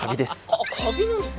あカビなんですか！